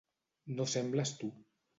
No sembles tu.